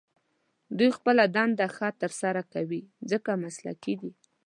دوی خپله دنده ښه تر سره کوي، ځکه مسلکي دي.